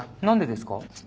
何でですか？